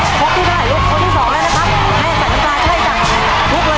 พล็อกที่สุดที่สองแล้วนะครับ